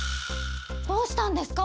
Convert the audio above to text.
どうしたんですか？